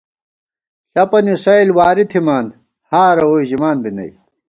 ݪَپَنی سَئیل واری تھِمان ، ہارہ ووئی ژِمان بی نئ